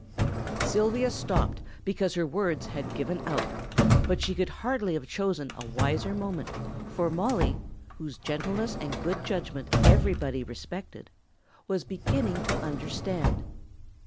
Sylvia stopped because her words had given out, but she could hardly have chosen a wiser moment, for Mollie, whose gentleness and good judgment everybody respected, was beginning to understand.